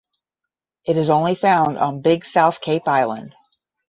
It is only found on Big South Cape Island.